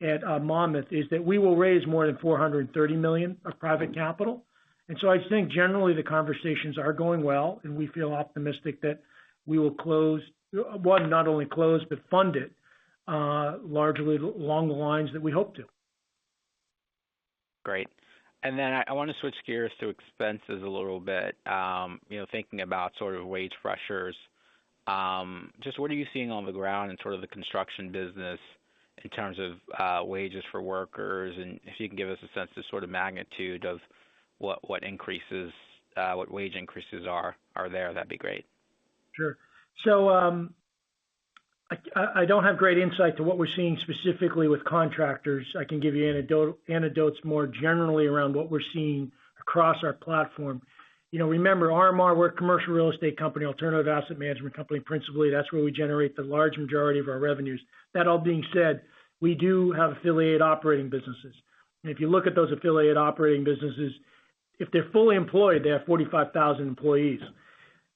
Speaker 3: at Monmouth is that we will raise more than $430 million of private capital. I think generally the conversations are going well, and we feel optimistic that we will close. One, not only close, but fund it, largely along the lines that we hope to.
Speaker 8: Great. I wanna switch gears to expenses a little bit. You know, thinking about sort of wage pressures, just what are you seeing on the ground in sort of the construction business in terms of wages for workers, and if you can give us a sense of sort of magnitude of what wage increases are there, that'd be great.
Speaker 3: Sure. I don't have great insight into what we're seeing specifically with contractors. I can give you anecdotes more generally around what we're seeing across our platform. You know, remember RMR, we're a commercial real estate company, alternative asset management company. Principally, that's where we generate the large majority of our revenues. That all being said, we do have affiliate operating businesses. If you look at those affiliate operating businesses, if they're fully employed, they have 45,000 employees.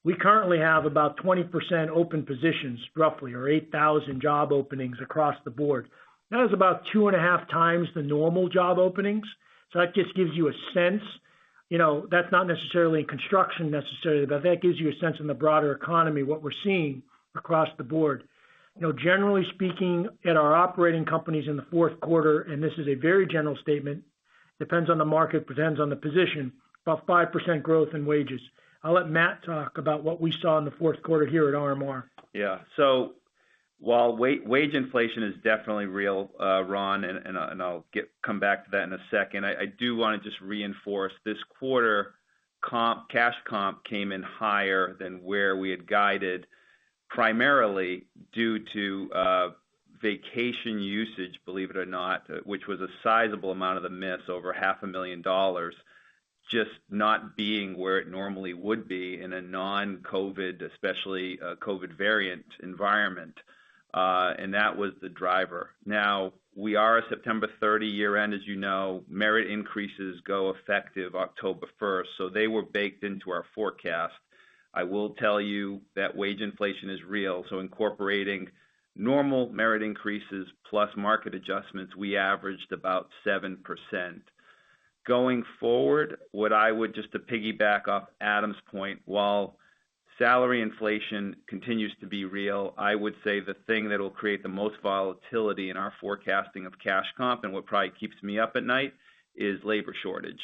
Speaker 3: We currently have about 20% open positions, roughly, or 8,000 job openings across the board. That is about 2.5x the normal job openings. That just gives you a sense, you know, that's not necessarily construction, but that gives you a sense in the broader economy, what we're seeing across the board. You know, generally speaking, at our operating companies in the fourth quarter, and this is a very general statement, depends on the market, depends on the position, about 5% growth in wages. I'll let Matt talk about what we saw in the fourth quarter here at RMR.
Speaker 4: Yeah. While wage inflation is definitely real, Ron, and I'll come back to that in a second. I do wanna just reinforce this quarter, cash comp came in higher than where we had guided. Primarily due to vacation usage, believe it or not, which was a sizable amount of the miss over half a million dollars, just not being where it normally would be in a non-COVID, especially a COVID variant environment. That was the driver. Now we are a September 30 year-end, as you know. Merit increases go effective October 1, so they were baked into our forecast. I will tell you that wage inflation is real, so incorporating normal merit increases plus market adjustments, we averaged about 7%. Going forward, what I would just to piggyback off Adam's point, while salary inflation continues to be real, I would say the thing that will create the most volatility in our forecasting of cash comp and what probably keeps me up at night is labor shortage.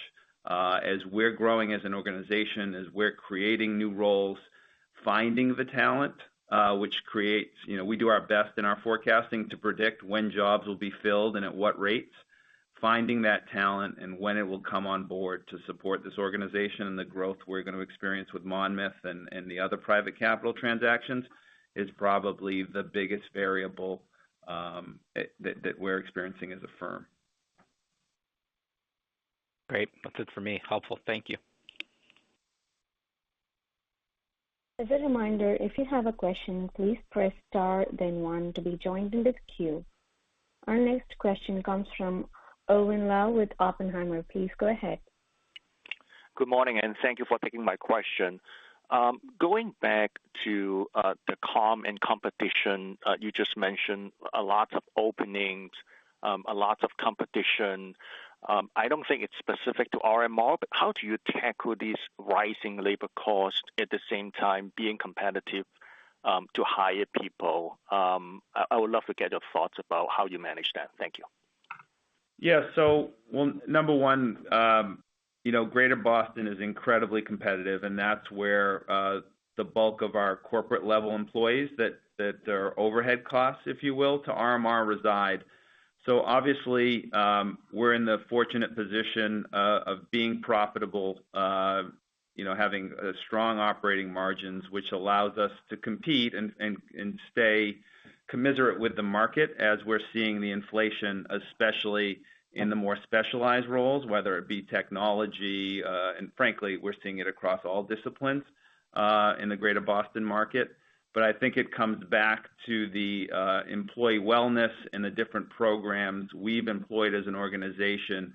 Speaker 4: As we're growing as an organization, as we're creating new roles, finding the talent. You know, we do our best in our forecasting to predict when jobs will be filled and at what rates. Finding that talent and when it will come on board to support this organization and the growth we're going to experience with Monmouth and the other private capital transactions is probably the biggest variable, that we're experiencing as a firm.
Speaker 8: Great. That's it for me. Helpful. Thank you.
Speaker 1: As a reminder, if you have a question, please press star then one to be joined into the queue. Our next question comes from Owen Lau with Oppenheimer. Please go ahead.
Speaker 9: Good morning, and thank you for taking my question. Going back to the comp and competition, you just mentioned a lot of openings, a lot of competition. I don't think it's specific to RMR, but how do you tackle these rising labor costs at the same time being competitive to hire people? I would love to get your thoughts about how you manage that. Thank you.
Speaker 4: Yeah. Well, number one, you know, Greater Boston is incredibly competitive, and that's where the bulk of our corporate level employees that are overhead costs, if you will, to RMR reside. Obviously, we're in the fortunate position of being profitable, you know, having a strong operating margins, which allows us to compete and stay commensurate with the market as we're seeing the inflation especially in the more specialized roles, whether it be technology, and frankly, we're seeing it across all disciplines, in the Greater Boston market. I think it comes back to the employee wellness and the different programs we've employed as an organization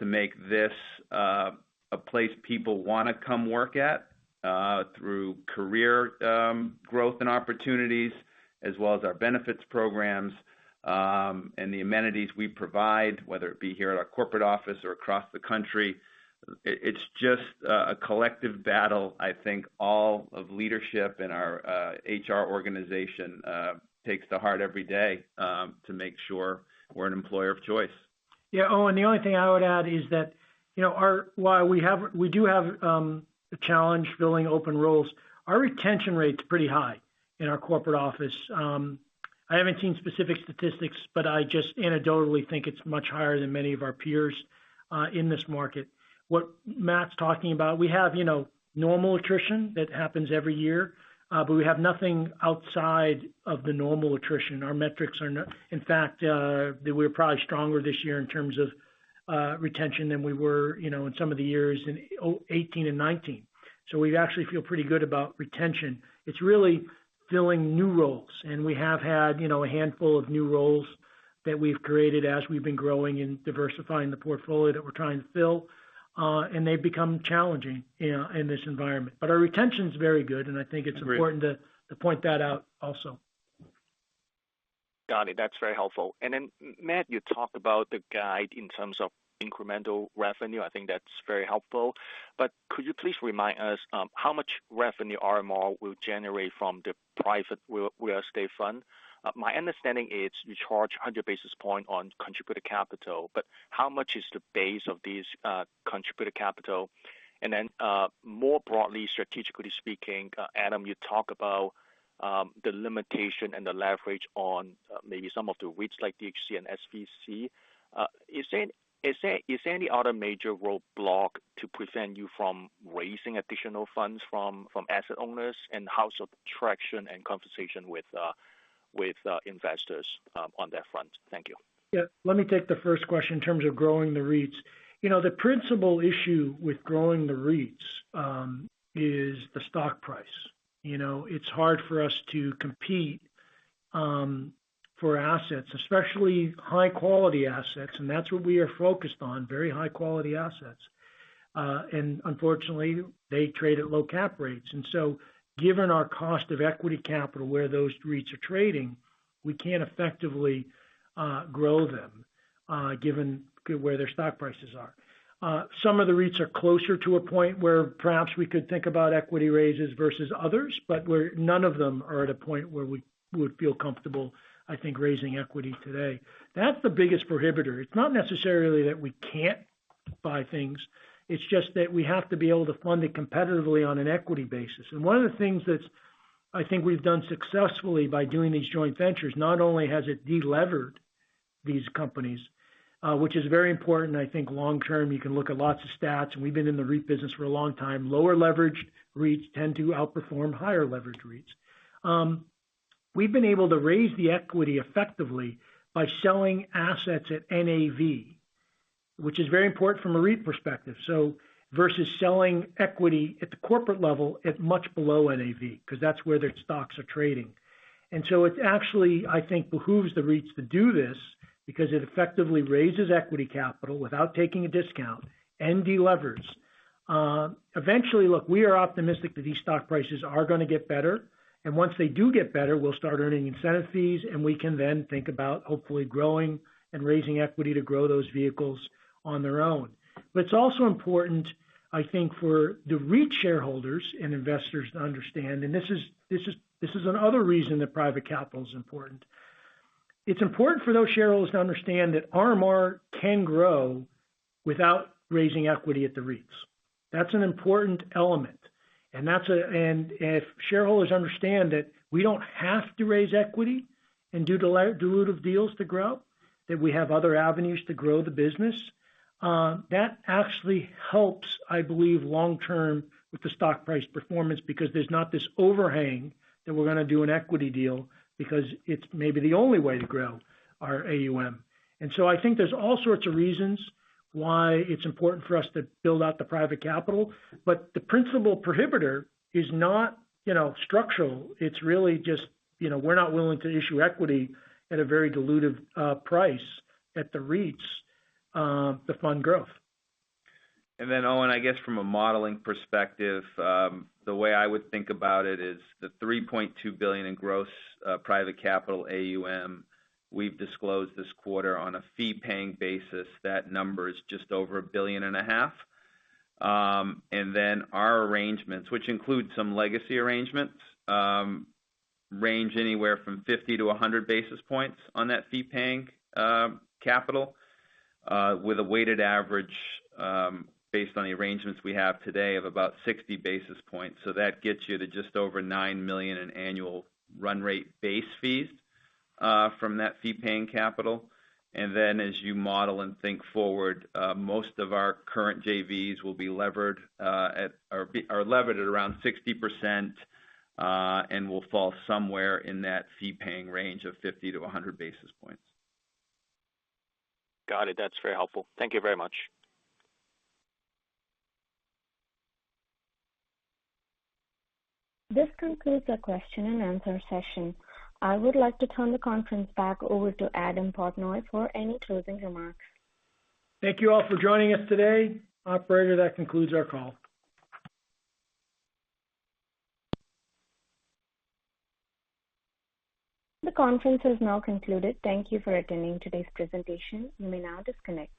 Speaker 4: to make this a place people wanna come work at through career growth and opportunities, as well as our benefits programs and the amenities we provide, whether it be here at our corporate office or across the country. It's just a collective battle I think all of leadership in our HR organization takes to heart every day to make sure we're an employer of choice.
Speaker 3: Yeah. Owen, the only thing I would add is that, you know, while we do have a challenge filling open roles, our retention rate's pretty high in our corporate office. I haven't seen specific statistics, but I just anecdotally think it's much higher than many of our peers in this market. What Matt's talking about, we have, you know, normal attrition that happens every year, but we have nothing outside of the normal attrition. In fact, we're probably stronger this year in terms of retention than we were, you know, in some of the years in 2018 and 2019. We actually feel pretty good about retention. It's really filling new roles. We have had, you know, a handful of new roles that we've created as we've been growing and diversifying the portfolio that we're trying to fill, and they've become challenging, you know, in this environment. Our retention's very good, and I think it's important- To point that out also.
Speaker 9: Got it. That's very helpful. Then, Matt, you talked about the guide in terms of incremental revenue. I think that's very helpful. Could you please remind us how much revenue RMR will generate from the private real estate fund? My understanding is you charge 100 basis points on contributed capital, but how much is the base of this contributed capital? Then, more broadly, strategically speaking, Adam, you talk about the limitation and the leverage on maybe some of the REITs like DHC and SVC. Is there any other major roadblock to prevent you from raising additional funds from asset owners? How's the traction and conversation with investors on that front? Thank you.
Speaker 3: Yeah. Let me take the first question in terms of growing the REITs. You know, the principal issue with growing the REITs is the stock price. You know, it's hard for us to compete for assets, especially high quality assets, and that's what we are focused on, very high quality assets. Unfortunately, they trade at low cap rates. Given our cost of equity capital where those REITs are trading, we can't effectively grow them given where their stock prices are. Some of the REITs are closer to a point where perhaps we could think about equity raises versus others, but none of them are at a point where we would feel comfortable, I think, raising equity today. That's the biggest prohibitor. It's not necessarily that we can't buy things. It's just that we have to be able to fund it competitively on an equity basis. One of the things that's, I think, we've done successfully by doing these joint ventures, not only has it de-levered these companies, which is very important, I think long term, you can look at lots of stats. We've been in the REIT business for a long time. Lower leverage REITs tend to outperform higher leverage REITs. We've been able to raise the equity effectively by selling assets at NAV, which is very important from a REIT perspective. Versus selling equity at the corporate level at much below NAV, because that's where their stocks are trading. It actually, I think, behooves the REITs to do this because it effectively raises equity capital without taking a discount and delevers. Eventually, look, we are optimistic that these stock prices are gonna get better. Once they do get better, we'll start earning incentive fees, and we can then think about hopefully growing and raising equity to grow those vehicles on their own. It's also important, I think, for the REIT shareholders and investors to understand, and this is another reason that private capital is important. It's important for those shareholders to understand that RMR can grow without raising equity at the REITs. That's an important element. If shareholders understand that we don't have to raise equity and do dilutive deals to grow, that we have other avenues to grow the business, that actually helps, I believe, long term with the stock price performance because there's not this overhang that we're gonna do an equity deal because it's maybe the only way to grow our AUM. I think there's all sorts of reasons why it's important for us to build out the private capital. But the principal prohibitor is not, you know, structural. It's really just, you know, we're not willing to issue equity at a very dilutive price at the REITs to fund growth.
Speaker 4: Owen, I guess from a modeling perspective, the way I would think about it is the $3.2 billion in gross private capital AUM we've disclosed this quarter on a fee-paying basis. That number is just over $1.5 billion. Our arrangements, which include some legacy arrangements, range anywhere from 50-100 basis points on that fee-paying capital, with a weighted average, based on the arrangements we have today of about 60 basis points. That gets you to just over $9 million in annual run rate base fees, from that fee-paying capital. As you model and think forward, most of our current JVs will be levered, at or be...are levered at around 60%, and will fall somewhere in that fee-paying range of 50-100 basis points.
Speaker 9: Got it. That's very helpful. Thank you very much.
Speaker 1: This concludes our question and answer session. I would like to turn the conference back over to Adam Portnoy for any closing remarks.
Speaker 3: Thank you all for joining us today. Operator, that concludes our call.
Speaker 1: The conference has now concluded. Thank you for attending today's presentation. You may now disconnect.